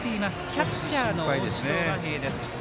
キャッチャーの大城和平です。